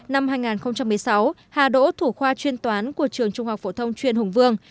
năm hai nghìn một mươi sáu hà đỗ thủ khoa chuyên toán của trường trung học phổ thông chuyên hùng vương